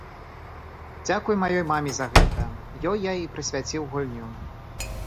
Дзякуй маёй маме за гэта, ёй я і прысвяціў гульню.